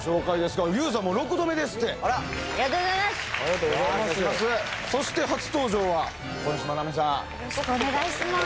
よろしくお願いします。